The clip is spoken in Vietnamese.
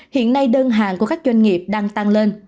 hiện nay đơn hàng của các doanh nghiệp đang tăng lên